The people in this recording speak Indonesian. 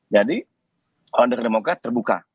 jadi order demokrat terbuka